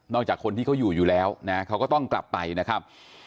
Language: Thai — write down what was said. จากคนที่เขาอยู่อยู่แล้วนะเขาก็ต้องกลับไปนะครับ